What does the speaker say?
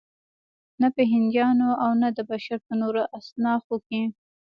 نه په هندیانو او نه د بشر په نورو اصنافو کې.